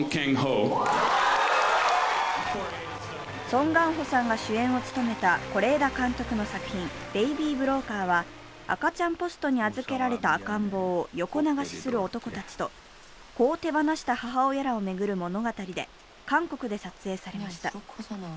ソン・ガンホさんが主演を務めた是枝監督の作品「ベイビー・ブローカー」は赤ちゃんポストに預けられた赤ん坊を横流しする男たちと子を手放した母親らを巡る物語で、韓国で撮影されました。